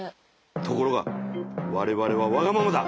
ところがわれわれはわがままだ！